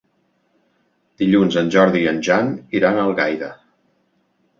Dilluns en Jordi i en Jan iran a Algaida.